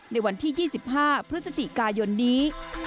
ในวันที่๒๕พฤศจิกายนนี้